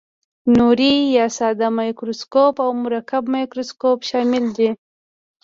نوري یا ساده مایکروسکوپ او مرکب مایکروسکوپ شامل دي.